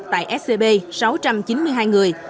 tại scb sáu trăm chín mươi hai người